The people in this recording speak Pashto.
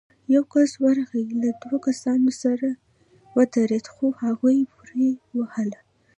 يو کس ورغی، له دوو کسانو سره ودرېد، خو هغوی پورې واهه.